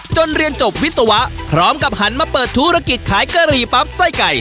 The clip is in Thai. เรียนจบวิศวะพร้อมกับหันมาเปิดธุรกิจขายกะหรี่ปั๊บไส้ไก่